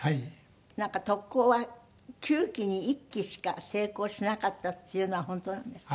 なんか特攻は９機に１機しか成功しなかったっていうのは本当なんですか？